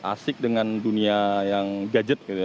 asik dengan dunia yang gadget gitu ya